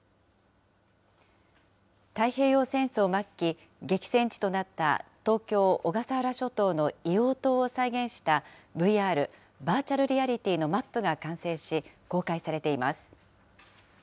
太平洋戦争末期、激戦地となった東京・小笠原諸島の硫黄島を再現したＶＲ・バーチャルリアリティーのマップが完成し、公開されています。